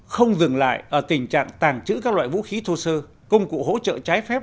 không dừng lại ở tình trạng tàng trữ các loại vũ khí thô sơ công cụ hỗ trợ trái phép